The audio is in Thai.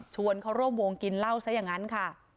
เขาร่วมวงกินเหล้าซะอย่างนั้นค่ะ